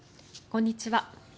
こんにちは。